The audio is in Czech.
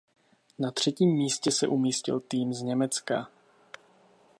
Na třetím místě se umístil tým z Německa.